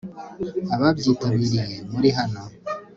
ababyitabiriye muri hano